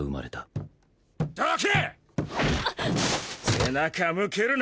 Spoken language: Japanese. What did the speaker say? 背中向けるな！